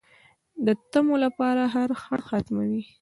د طمعو لپاره هر خنډ ختموي